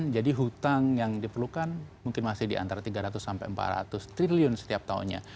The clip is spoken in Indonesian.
jadi hutang yang diperlukan mungkin masih di antara tiga ratus empat ratus triliun setiap tahunnya